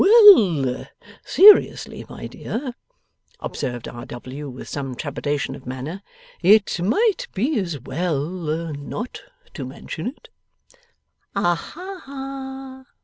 'Well; seriously, my dear,' observed R. W., with some trepidation of manner, 'it might be as well not to mention it.' 'Aha!